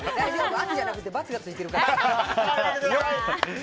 圧やなくてバツがついてるから。